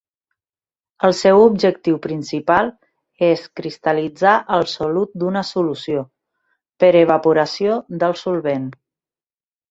El seu objectiu principal és cristal·litzar el solut d'una solució, per evaporació del solvent.